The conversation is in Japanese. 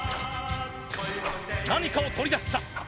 何かを取り出した。